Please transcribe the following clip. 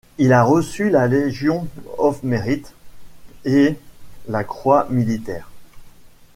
Il a reçu la Legion of Merit et la Croix militaire.